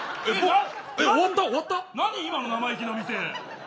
何、今の生意気な店。